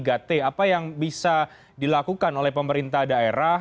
apa yang bisa dilakukan oleh pemerintah daerah